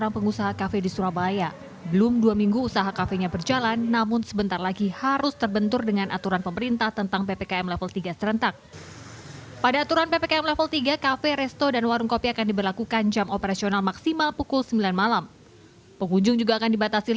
pembangunan pembangunan pembangunan